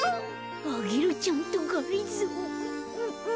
アゲルちゃんとがりぞー。